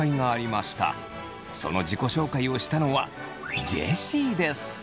その自己紹介をしたのはジェシーです。